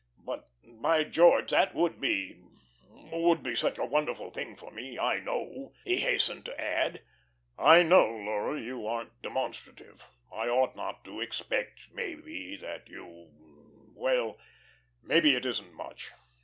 But, by George! That would be would be such a wonderful thing for me. I know," he hastened to add, "I know, Laura, you aren't demonstrative. I ought not to expect, maybe, that you Well, maybe it isn't much.